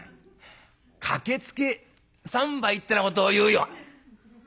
『駆けつけ三杯』ってなことを言うよ」。